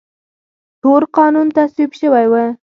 تور قانون تصویب شوی و.